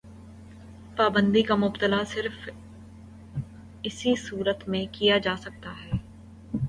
پابندی کا مطالبہ صرف اسی صورت میں کیا جا سکتا ہے۔